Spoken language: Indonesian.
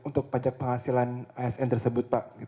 untuk pajak penghasilan asn tersebut pak itu yang pertama